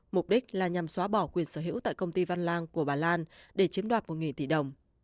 mục đích là nhằm xóa bỏ quyền sở hữu tại công ty văn lang của bà lan để chiếm đoạt một tỷ đồng